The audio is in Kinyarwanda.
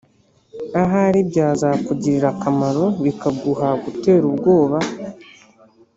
ahari byazakugirira akamaro, bikaguha gutera ubwoba.